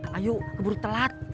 des ayo keburu telat